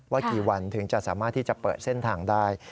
กี่วันถึงจะสามารถที่จะเปิดเส้นทางได้